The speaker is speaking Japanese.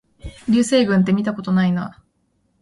流星群ってみたことないな